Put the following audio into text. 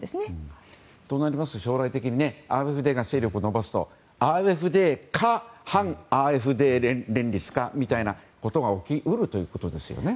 となりますと将来的にＡｆＤが勢力を伸ばすとＡｆＤか反ＡｆＤ連立かということが起き得るということですね。